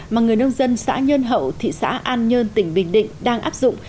mà người nông dân xã nhân hậu thị xã an nhơn tỉnh bình định đang áp dụng